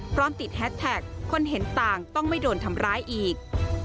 พร้อมติดแฮสแท็กคนเห็นต่างต้องไม่โดนทำร้ายอีก